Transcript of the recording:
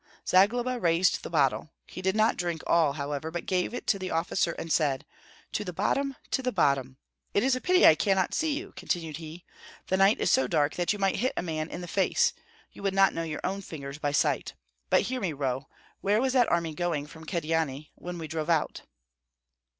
Zagloba raised the bottle; he did not drink all, however, but gave it to the officer and said, "To the bottom, to the bottom! It is a pity that I cannot see you," continued he. "The night is so dark that you might hit a man in the face, you would not know your own fingers by sight. But hear me, Roh, where was that army going from Kyedani when we drove out?"